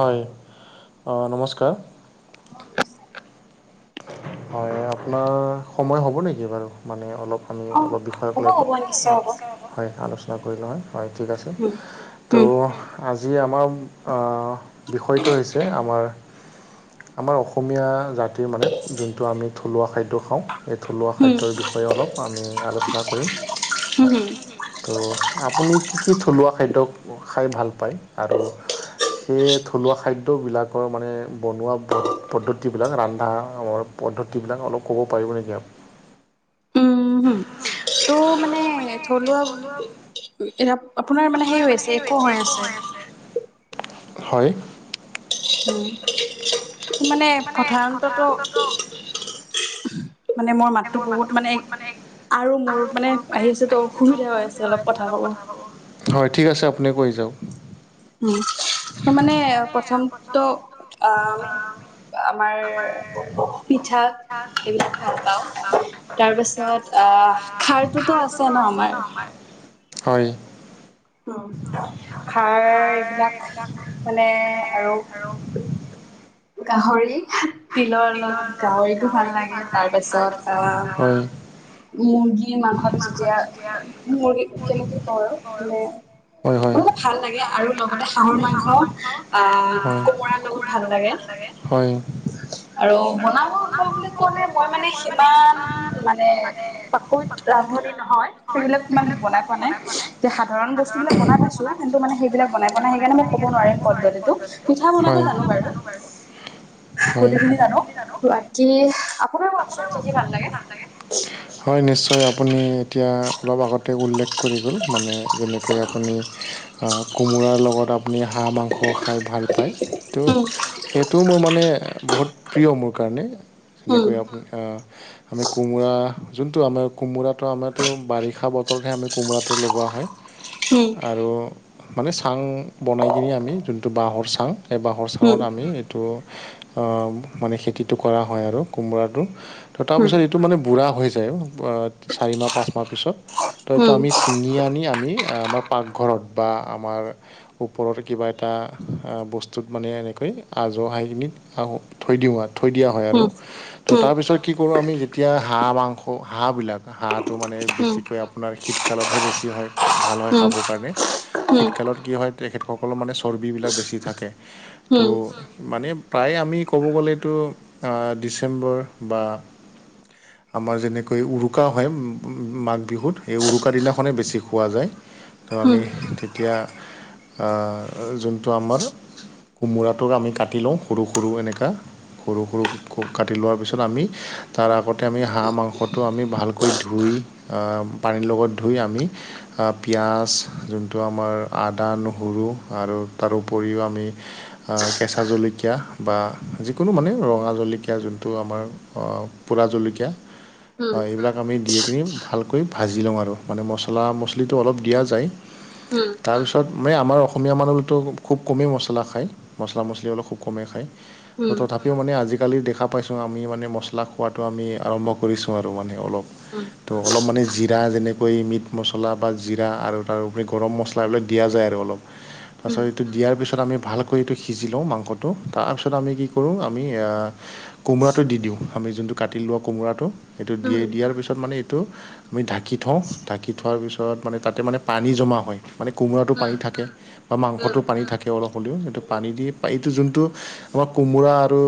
হয় অ, নমস্কাৰ। [inaudible] হয় আপোনাৰ সময় হ'ব নেকি বাৰু মানে অলপ? আমি অলপ বিষয়ক লৈ হয় আলোচনা কৰিলোঁ হয় -হয় ঠিক আছে। ত' আজি আমাৰ আ বিষয়টো হৈছে আমাৰ আমাৰ অসমীয়া জাতিৰ মানে যোনটো আমি থলুৱা খাদ্য খাওঁ এই থলুৱা খাদ্যৰ বিষয়ে অলপ আমি আলোচনা কৰিম। হু -হু ত' আপুনি কি -কি থলুৱা খাদ্য খাই ভাল পায় আৰু সে থলুৱা খাদ্য বিলাকৰ মানে বনোৱা পদ্ধতিবিলাক ৰান্ধা [unintelligible] পদ্ধতিবিলাক অলপ ক'ব পাৰিব নেকি [unintelligible] উম, হম। তো মানে এ থলুৱা এ আপোনাৰ মানে সেই আছে [unintelligible] হয়। উম, মানে প্ৰধানতটো [inaudible] মানে মোৰ মাততো বহুত মানে আৰু মোৰ মানে আহি আছে তো অসুবিধা হৈ আছে। যে অলপ কথা ক'ব হয় ঠিক আছে আপুনি কৈ যাওক। উম, ত'মানে প্ৰথমটো অ, আমি আমাৰ পিঠা এইবিলাক ভাল পাওঁ তাৰপাছত আহ খাৰটোতো আছে ন' আমাৰ। হয়। উম, খাৰ বিলাক মানে আৰু গাহৰি [unintelligible] তিলৰ লগত গাহৰিটো ভাল লাগে তাৰপাছত আহ মুৰ্গী মাংসটো যেতিয়া মুৰ্গী কেনেকে কওঁ আৰু মানে বহুত ভাল লাগে আৰু লগতে হাঁহৰ মাংস আহ, কোমোৰাৰ লগত ভাল লাগে। হয়। আৰু বনাবওঁ [unintelligible] বুলি কোৱা নাই মই মানে সিমান মানে পাকৈত ৰান্ধনি নহয়। সেইবিলাক ইমান বনাই পোৱা নাই যে সাধাৰণ বস্তুবিলাক বনাই পাইছো কিন্তু মানে সেইবিলাক বনাই পোৱা নাই সেইকাৰণে মই ক'ব নোৱাৰিম। পদ্ধতিটো পিঠা বনাব জানো বাৰু। গোটেইখিনি জানো, ৱাকী আপোনাৰ কওকচোন কি-কি ভাল লাগে? হয় নিশ্চয় আপুনি এতিয়া অলপ আগতে উল্লেখ কৰি গ'ল মানে যেনেকৈ আপুনি অ, কোমোৰাৰ লগত আপুনি হাঁহ মাংস অ, খাই ভাল পায় তো সেইটোও মোৰ মানে বহুত প্ৰিয় মোৰ কাৰণে। এনেকৈ আপুনি আহ আমি কোমোৰা যোনটো আমাৰ কোমোৰাটো আমাৰতো বাৰিষা বতৰতহে আমি কোমোৰাটো লগোৱা হয়। হম। আৰু মানে চাং বনাই কিনি আমি যোনটো বাঁহৰ চাং, সেই বাঁহৰ চাংত আমি টো আ মানে খেতিটো কৰা হয় আৰু কোমোৰাটো ত' তাৰপিছত টো মানে বুঢ়া হৈ যায় অ, পা চাৰি মাহ, পাঁচ মাহ পিছত, ত' ত' আমিচ তিঙি আনি আমি আ আমাৰ পাকঘৰত বা আমাৰ ওপৰত কিবা এটা বস্তুত মানে এনেকৈ আজহুৱাইখিনিত আহ, থৈ দিওঁ আৰ থৈ দিয়া হয় আৰু। ত' তাৰপিছত কি কৰোঁ আমি যেতিয়া হাঁহ মাংস, হাঁহবিলাক হাঁহটো মানে বেছিকৈ আপোনাৰ শীতকালতহে বেছি হয় ভাল হয় খাব কাৰণে। শীতকালত কি হয় তেখেতসকলৰ মানে চৰ্বিবিলাক বেছি থাকে ত' মানে প্ৰায় আমি ক'ব গ'লেতো আ ডিচেম্বৰ বা আমাৰ যেনেকৈ উৰুকা হয় মাঘ বিহুত সেই উৰুকা দিনাখনেই বেছি খোৱা যায়। ত'আমি তেতিয়া আ যোনটো আমাৰ কোমোৰাটোক আমি কাটি লওঁ সৰু -সৰু এনেকা সৰু -সৰু সৌ কাটি লোৱাৰ পিছত আমি তাৰ আগতে আমি হাঁহ মাংসটো আমি ভালকৈ ধুই আ, পানীৰ লগত ধুই আমি আ, পিয়াজ যোনটো আমাৰ আদা, নহৰু আৰু তাৰ উপৰিও আমি আ, কেঁচা জলকীয়া বা যিকোনো মানে ৰঙা জল কীয়া যোনটো আমাৰ অ, পুৰা জলকীয়া অ, এইবিলাক ত, আমি দিয়ে কিনি ভালকৈ ভাজি লওঁ আৰু মানে মছলা - মছলিটো অলপ দিয়া যায় তাৰপিছত মানে আমাৰ অসমীয়া মানুহতো খুব কমেই মছলা খায় মছলা - মছলি অলপ হু কমে খায় ত' তথাপিও মানে আজি আজিকালি দেখা পাইছোঁ আমি মানে মছলা খোৱাটো আমি আৰম্ভ কৰিছোঁ আৰু মানে অলপ। ত' অলপ মানে জিৰা যেনেকৈ মিট মছলা বা জিৰা আৰু তাৰোপৰি গৰম মছ বা এইবিলাক দিয়া যায় আৰু অলপ। তাৰপিছত এইটো দিয়াৰ পিছত আমি ভালকৈ এইটো সিজি লওঁ মাংসটো তাৰপিছত আমি কি কৰোঁ আমি আ কোমৰাটো দি দিওঁ আমি যোনটো কাটি লোৱা কোমোৰাটো সেইটো দিয়ে দিয়াৰ পিছত মানে এইটো আমি ঢাকি থওঁ ঢাকি থোৱাৰ পিছত মানে তাতে মানে পানী জমা হয়, মানে কোমোৰাটো পানী থাকে বা মাংসটো পানী থাকে অলপ হ'লেও সেইটো পানী দি এইটো যোনটো আমাৰ কোমোৰা আৰু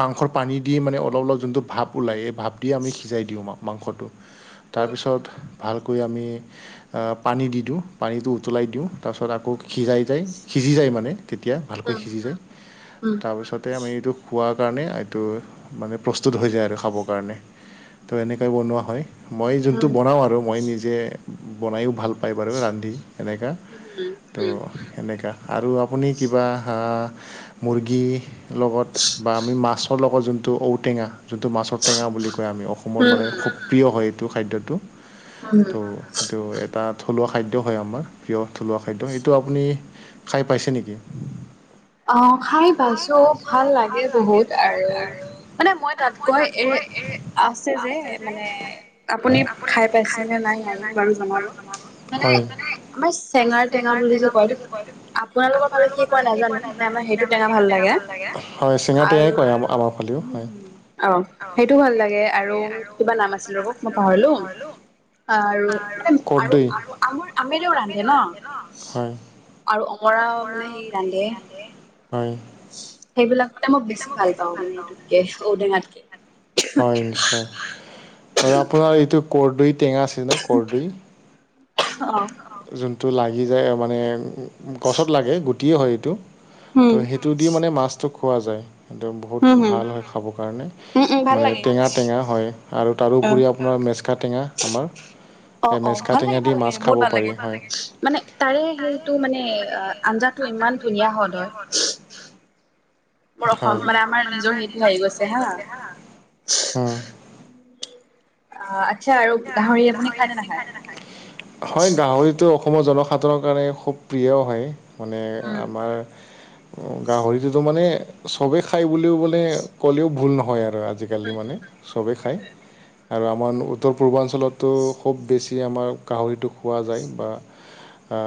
মাংসৰ পানী দি মানে অলপ- অলপ যোনটো ভাপ ওলায় এই ভাপ দি আমি সিজাই দিওঁ মাং - মাংসটো। তাৰপিছত ভালকৈ আমি আ, পানী দি দিওঁ পানীটো উতলাই দিওঁ তাৰপিছত আকৌ সিজাই যায়, সিজি যায় মানে। তেতিয়া ভালকৈ সিজি যায় তাৰপিছতে আমি এইটো খোৱাৰ কাৰণে এইটো মানে প্ৰস্তুত হৈ যায় আৰু খাবৰ কাৰণে, তো এনেকে বনোৱা হয়। মই যোনটো বনাওঁ আৰু মই নিজে বনায়ো ভাল পায় বাৰু ৰান্ধি এনেকা ত' এনেকা আৰু আপুনি কিবা আ মুৰ্গীৰ লগত বা আমি মাছৰ লগত যোনটো ঔটেঙা যোনটো মাছৰ টেঙা বুলি কয় আমি অসমৰ মানে খুব প্ৰিয় হয় এইটো খাদ্যটো ত' এইটো এটা থলুৱা খাদ্য হয় আমাৰ প্ৰিয় থলুৱা খাদ্য এইটো আপুনি খাই পাইছে নেকি? অ, খাই পাইছোঁ। চ' ভাল লাগে বহুত আৰু মানে মই তাত কৈ এ আছে যে মানে আপুনি খাই পাইছে নে নাই নাজানো বাৰু জনাব মানে আমাৰ চেঙাৰ টেঙা বুলি যে কয় এইটোক আপোনালোকৰ ফালে কি কয় নেজানো? নেজানো তে আমাৰ সেইটোটেঙা ভাল লাগে। আৰু অ, সেইটো ভাল লাগে আৰু কিবা নাম আছিল ৰবক মই পাহৰিলোঁ আৰু মানে আৰু আম- আমৰ- আমেৰেও ৰান্ধে ন? আৰু অমৰা মানে সেই ৰান্ধে হয় সেইবিলাকতে মই বেছি ভাল পাও মানে এইটোতকে ঔটেঙাতকে হয় নিশ্চয় আৰু আপোনাৰ এইটো কৰদৈ টেঙা আছে নে কৰদৈ? অ অ যোনটো লাগি যায় মানে গছত লাগে গুটিয়েই হয় এইটো, ত' সেইটো দি মানে মাছটো খোৱা যায় হেটো বহুত ভাল হয় খাবৰ কাৰণে মানে টেঙা টেঙা হয় আৰু তাৰোপৰি আপোনাৰ মেচকা টেঙা আমাৰ হে মেচকা টেঙা দি মাছ ভাল লাগে, মানে তাৰে সেইটো মানে আঞ্জাটো ইমান ধুনীয়া হ'ল হয় মোৰ অসম মানে আমাৰ নিজৰ সেইটো হেৰি গৈছে হা অ আ আচ্ছা আৰু গাহৰি আপুনি খায়নে নাখায়? হয় হয় গাহৰিটো অসমৰ জনসাধাৰণৰ কাৰণে খুব প্ৰিয় হয় মানে আমাৰ, অ গাহৰিটোতো মানে চবে খাই বুলিও মানে ক'লেও ভুল নহয় আৰু আজি কালি মানে চবেই খাই আৰু আমাৰ উত্তৰ পূৰ্বাঞ্চলতো খুব বেছি যি আমাৰ গাহৰিটো খোৱা যায় বা আ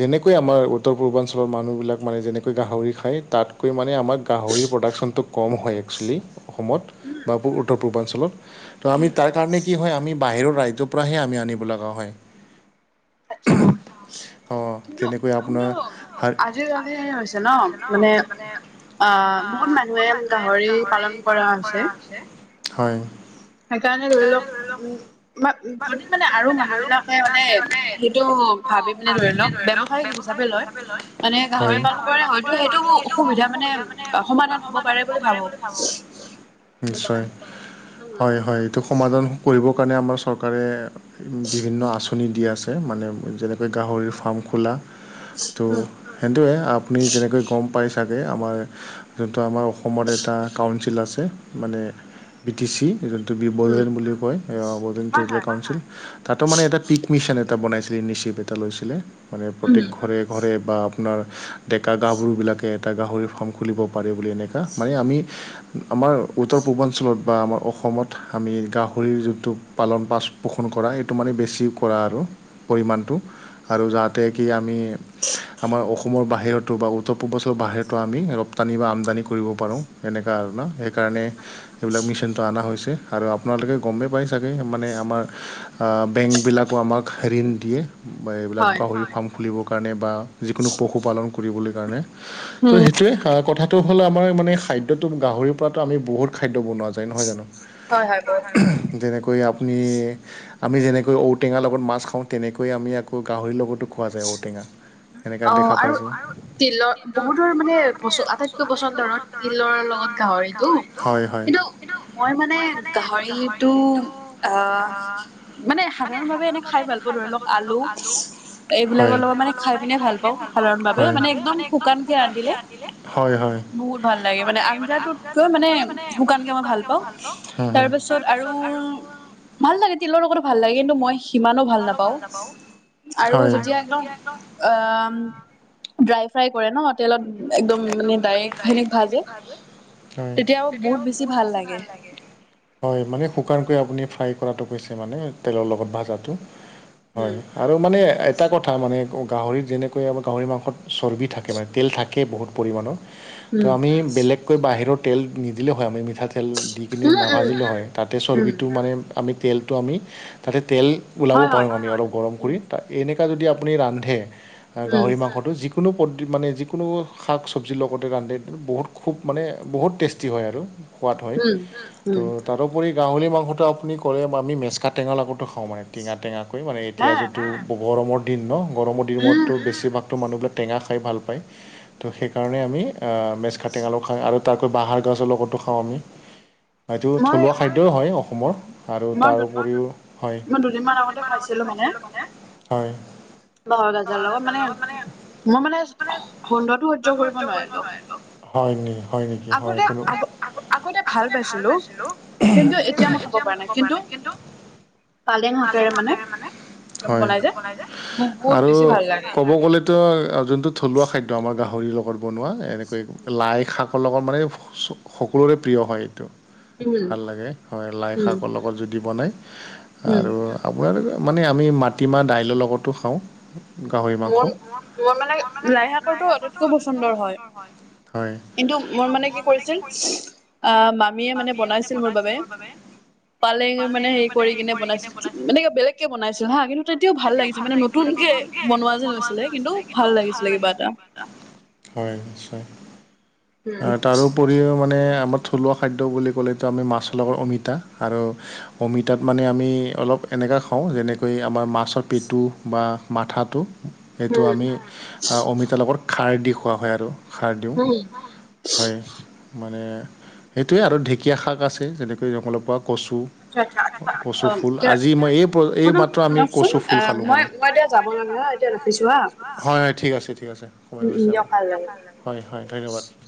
যেনেকৈ আমাৰ উত্তৰ পূৰ্বাঞ্চলৰ মানুহবিলাক মানে যেনেকৈ গাহৰি খায় তাতকৈ মানে আমাক গাহৰিৰ প্ৰডাকশ্যনটোক কম হয় একচুৱেলি অসমত বা উত্তৰ পূৰ্বাঞ্চলত ত আমি তাৰ কাৰণে হয় আমি বাহিৰৰ ৰাজ্যৰ পৰাহে আমি আনিব লগা হয়। আচ্ছা কিন্তু কিন্তু আজিকালি হৈছে ন মানে আহ বহুত মানুহে গাহৰি পালন কৰা হৈছে। হয় সেইকাৰণে ধৰি লওক উ যদি মানে আৰু মানুহ বিলাকে মানে সেইটো ভাবি মানে ধৰি লওক ব্যৱসায়িক হিচাপে লয় মানে গাহৰি পালন কৰে হয়তো সেইটো অসুবিধা মানে অ সমাধান হব পাৰে বুলি ভাবো সেইটো কাৰণে উম হয় এইটো সমাধান কৰিবৰ কাৰণে আমাৰ চৰকাৰে বিভিন্ন আঁচনি দি আছে মানে যেনেকৈ গাহৰিৰ ফাৰ্ম খোলা ত সেইটোৱে আপুনি যেনেকৈ গম পাই চাগে আমাৰ যোনটো আমাৰ অসমৰ এটা কাউঞ্চিল আছে মানে বি টি চি যোনটো বি বড়োলেণ্ড বুলি এ হব তেন্তে এইটো একাউণ্ট তাতো মানে এটা পিক মিচন এটা বনাইছিলে ইনিছিভ এটা লৈছিলে মানে প্ৰত্যেক ঘৰে ঘৰে বা আপোনাৰ ডেকা গাভৰুবিলাকে এটা গাহৰিৰ ফাৰ্ম খুলিব পাৰে বুলি এনেকা মানে আমি আমাৰ উত্তৰ পূৰ্বাঞ্চলত বা আমাৰ অসমত আমি গা ৰিৰ যোনটো পালন পাচ পোষণ কৰা এইটো মানে বেছি কৰা আৰু পৰিমাণটো আৰু যাতে কি আমি আমাৰ অসমৰ বাহিৰতো বা উত্তৰ পূৰ্বাঞ্চৰ বাহিৰতো আমি ৰপ্তানি বা আমদানি কৰিব পাৰো এনেকোৱা আৰু ন সেইকাৰণে এইবিলাক মেচিনটো অনা হৈছে আৰু আপোনালোকে গমেই পায় চাগে মানে আমাৰ বেংক বিলাকো আমাক ঋণ দিয়ে বা এইবিলাক গাহৰি ফাৰ্ম খুলিবৰ কাৰণে বা যিকোনো পশুপালন কৰিবলৈ কাৰণে ত সেইটোয়ে অ কথা টো হ'ল আমাৰ মানে খাদ্যটোত গাহৰিৰ পৰাতো আমি বহুত খাদ্য বনোৱা যায় নহয় জানো হয় হয় অহ যেনেকৈ আপুনি আমি যেনেকৈ ঔটেঙাৰ লগত মাছ খাও তেনেকৈয়ে আমি আকৌ গাহৰিৰ লগতো খোৱা যায় ঔটেঙা সেনেকা দেখা পাইছো অ আৰু তিলৰ বহুতৰ মানে পচ আটাইতকৈ পচন্দৰ তিলৰ লগত গাহৰিটো কিন্তু মই মানে গাহৰ ৰিটো আহ মানে সাধাৰণভাৱে এনে খাই ভাল পাওঁ ধৰি লওক আলু এইবিলাকৰ লগত মানে খাই পিনে ভাল পাওঁ সাধাৰণভাৱ মানে একদম শুকানকে ৰান্ধিলে বহুত ভাল লাগে মানে আঞ্জাটোত ক মানে শুকানকে মই ভাল পাওঁ তাৰ পাছ তত আৰু ভাল লাগে তিলৰ লগতো ভাল লাগে কিন্তু মই সি সিমানো ভাল নাপাওঁ আৰু যেতিয়া একদম আম ড্ৰাই ফ্ৰাই কৰে ন তেলত একদম মানে ডাইৰেক সেনেক ভাজে তেতিয়া বহুত বেছি ভাল লাগে। হয় মানে শুকানকৈ আপুনি ফ্ৰাই কৰাটো কৈছে মানে তেলৰ লগত ভাজাটো হয়। আৰু মানে এটা কথা মানে গাহৰিত যেনেকৈ আমাৰ গাহৰি মাংসত চৰ্বি থাকে মানে তেল থা কে বহুত পৰিমাণৰ তো আমি বেলেগকৈ বাহিৰৰ তেল নিদিলে হয় আমি মিঠাতেল দি পিনি নাভাজিলেঁ হয় তাতে চৰ্বিটো মানে আমি তেলটো আমি তাতে তেল ওলাব পাৰোঁ আমি অলপ গৰম কৰি ত এনেকুৱা যদি আপুনি ৰান্ধে, গাহৰি মাংসটো যি কোনো পদ্ধি মানে যি কোনো শাক চব্জিৰ লগতে ৰান্ধে বহুত খুব মানে বহুত টেষ্টি হয় আৰু। সোৱাদ হয়, তো তাৰো পৰি গাহৰি মাংসটো আপুনি ক'লে আমি মেচকা টেঙাৰ লগত খাওঁ মানে টেঙা টেঙাকৈ মানে এতিয়া যোনটো গৰমৰ দিন ন, গৰমৰ দিনতো বেছিভাগতো মানুহবিলাক টেঙা খাই ভাল পায়। ত' সেইকাৰণে আমি আ মেজখা টেঙা লগত খাওঁ আৰু তাতকৈ বাঁহৰ গাজৰ লগতো খাওঁ আমি। এইটো থলুৱা খাদ্যই হয় অসমৰ। আৰু তাৰ উপৰিও হয় হয়। বাঁহৰ গাজৰ লগত মানে মোৰ মানে হয় নি হয় নিকি হয়ো। আগতে ভাল পাইছিলো, কিন্তু এতিয়া মই খাব পৰা নাই কিন্তু হয় আৰু ক'ব গলে ত, ‌যোনটো থলুৱা খাদ্য আমাৰ গাহৰিৰ লগত বনোৱা, এনেকৈ লাই শাক কৰ লগত মানে সকলোৰে প্ৰিয় হয় এইটো। ভাল লাগে, হয় লাই শাকৰ লগত যদি বনাই আৰু আপোনাৰ মানে আমি মাটিমাহ, দাইলৰ লগতো খাওঁ মোন মোন মানে লাই শাকৰটো অটাইতকৈ পচন্দৰ হয়, হয় কিন্তু মোৰ মানে কি কৰিছিল আ মা মামীয়ে মানে বনাইছিল মোৰ বাবে। পালেং মানে হেৰি কৰি কিনে বনাইছিল, মানেকে বেলেগকে বনাইছিল হা কিন্তু তেতিয়াও ভাল লাগিছে মানে নতুনকে বনোৱা যেন হৈছিলে কিন্তু ভাল লাগিছিলে কিবা এটা। হয় নিশ্চয়, আ তাৰোপৰিও মানে আমাৰ থলুৱা খাদ্য বুলি ক'লেতো, আমি মাছৰ লগত অমিতা আৰু অমিতাত মানে আমি অলপ এনেকা খাওঁ যেনেকৈ আমাৰ মাত ছৰ পিটো বা মাথাটো, সেইটো আমি আ অমিতা লগত খাৰ দি খোৱা হয় আৰু খাৰ দিওঁ হয় মানে সেইটোৱে আৰু ঢেঁকীয়া শাক আছে, যেনেকৈ জংঘলৰ পৰা কচু কচু ফুল আজি মই, এই প এই মাত্ৰ আমি কচু ফুল খালো মানে। হয়, হয়, ঠিক আছে ঠিক আছে সমাই গৈছে আ হয় হয় ধন্যবাদ।